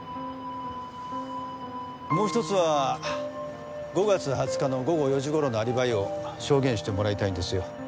もう１つは５月２０日の午後４時頃のアリバイを証言してもらいたいんですよ。